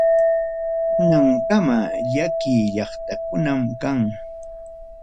Kunankama llaki llaqtakunam kan.